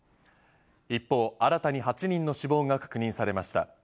一方、新たに８人の死亡が確認されました。